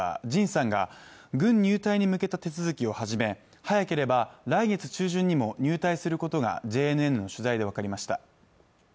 ＪＩＮさんが軍入隊に向けた手続きを始め早ければ来月中旬にも入隊することがＪＮＮの取材で分かりました